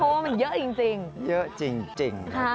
เพราะว่ามันเยอะจริง